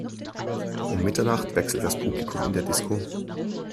Um Mitternacht wechselt das Publikum in der Disco.